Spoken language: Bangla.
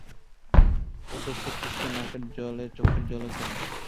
ও তো সতীশকে নাকের জলে চোখের জলে করে।